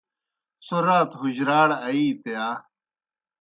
څھوْ رات حُجراڑ آیِیت یا؟